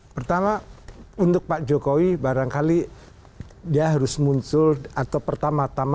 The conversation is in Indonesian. pertama untuk pak jokowi barangkali dia harus muncul atau pertama tama